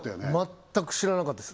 全く知らなかったです